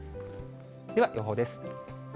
では、予報です。